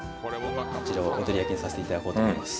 こちらを踊り焼きにさせていただこうと思います。